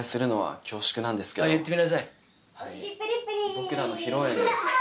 僕らの披露宴のですね